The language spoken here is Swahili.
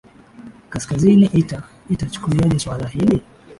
kaskazini ita itachukuliaje swala hili